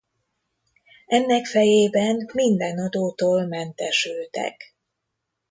Ennek fejében minden adótól mentesültek.